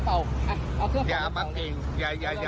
อ๋อเอาเครื่องเบามาเบา